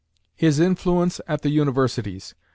IX. HIS INFLUENCE AT THE UNIVERSITIES.